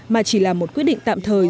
mà chỉ là một quyết định tạm thời